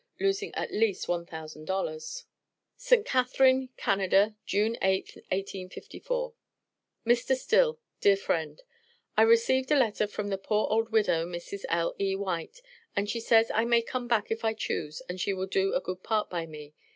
losing at least one thousand dollars, ST. CATHARINE, CANADA, JUNE 8th, 1854. MR. STILL, DEAR FRIEND: I received a letter from the poor old widow, Mrs. L.E. White, and she says I may come back if I choose and she will do a good part by me.